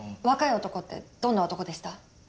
若い男ってどんな男でした？